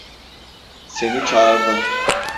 Seni çağırdım.